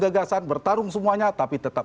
gagasan bertarung semuanya tapi tetap